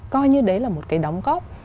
coi như đấy là một cái đóng góp